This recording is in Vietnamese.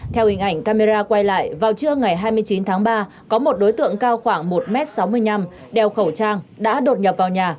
theo hình ảnh camera quay lại vào trưa ngày hai mươi chín tháng ba có một đối tượng cao khoảng một m sáu mươi năm đeo khẩu trang đã đột nhập vào nhà